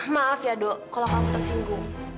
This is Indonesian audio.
maaf ya dok kalau kamu tersinggung